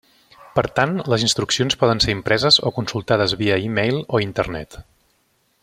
Per tant les instruccions poden ser impreses o consultades via e-mail o internet.